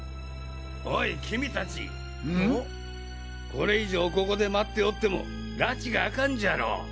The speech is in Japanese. これ以上ここで待っておってもラチが明かんじゃろう！！